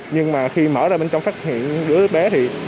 nhưng mà khi mở ra bên trong phát hiện đứa bé thì